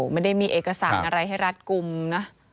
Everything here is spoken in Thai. ไม่ได้มีเอกสารอะไรให้รัดกลุ่มนะ